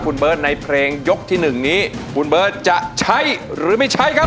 คุณเบิร์ตในเพลงยกที่๑นี้คุณเบิร์ตจะใช้หรือไม่ใช้ครับ